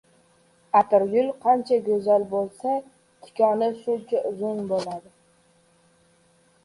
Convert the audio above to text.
• Atirgul qancha go‘zal bo‘lsa, tikoni shuncha uzun bo‘ladi.